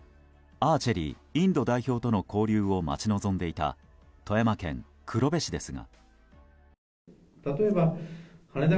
アーチェリーインド代表との交流を待ち望んでいた富山県黒部市ですが。